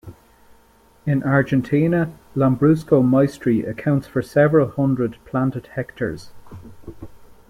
In Argentina, Lambrusco Maestri accounts for several hundred planted hectares.